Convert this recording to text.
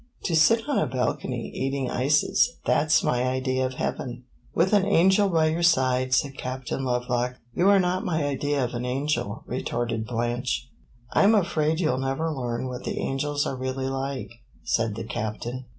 To sit on a balcony, eating ices that 's my idea of heaven." "With an angel by your side," said Captain Lovelock. "You are not my idea of an angel," retorted Blanche. "I 'm afraid you 'll never learn what the angels are really like," said the Captain.